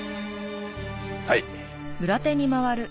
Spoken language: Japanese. はい。